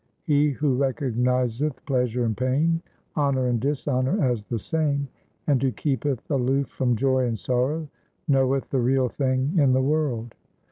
He who recognizeth pleasure and pain, honour and dis honour as the same, And who keepeth aloof from joy and sorrow, knoweth the Real Thing in the world.